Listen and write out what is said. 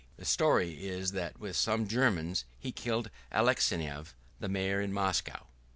The story is that with some Germans he killed Alexeyev, the Mayor, in Moscow."